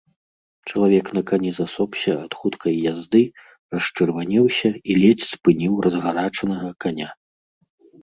Чалавек на кані засопся ад хуткай язды, расчырванеўся і ледзь спыніў разгарачанага каня.